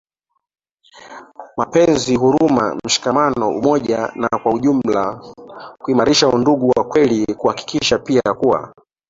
mapenzi huruma mshikamano umoja na kwa ujumla kuimarisha udugu wa kweli Kuhakikisha pia kuwa